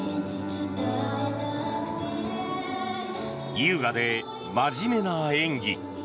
優雅で真面目な演技。